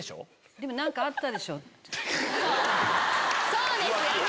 そうですよね！